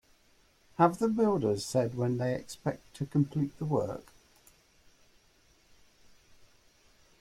Have the builders said when they expect to complete the work?